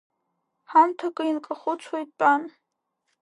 Ҳамҭакы инкахәыцуа итәан.